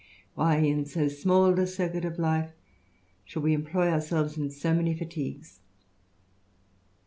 "Why in so small a circuit of life should we employ ourselves in so many fatigues?"